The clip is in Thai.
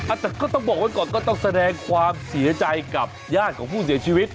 แต่ก็ต้องบอกไว้ก่อนก็ต้องแสดงความเสียใจกับญาติของผู้เสียชีวิต